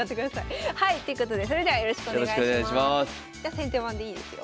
先手番でいいですよ。